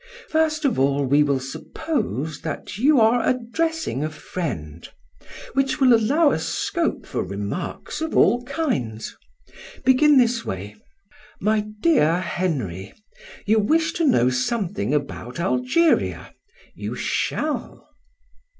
First of all we will suppose that you are addressing a friend, which will allow us scope for remarks of all kinds. Begin this way: 'My dear Henry, you wish to know something about Algeria; you shall.'"